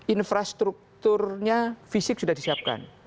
infrastrukturnya fisik sudah disiapkan